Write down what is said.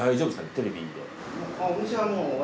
テレビで。